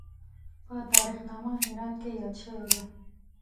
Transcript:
په تاریخ نامه هرات کې یاد شوی دی.